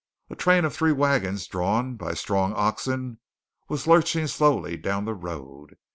A train of three wagons drawn by strong oxen was lurching slowly down the road.